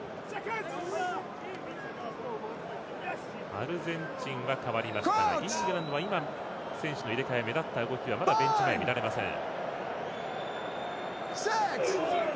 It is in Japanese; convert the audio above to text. アルゼンチンは代わりましたがイングランドは選手の入れ替え、目立った動きはまだベンチ前、見られません。